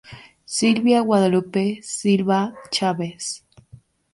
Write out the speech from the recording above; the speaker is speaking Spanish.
Silvia Guadalupe Silva Chávez.